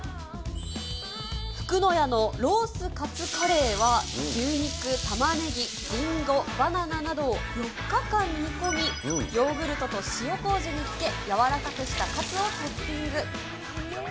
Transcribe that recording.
フクノヤのロースカツカレーは、牛肉、たまねぎ、リンゴ、バナナなどを４日間煮込み、ヨーグルトと塩こうじに漬け、やわらかくしたカツをトッピング。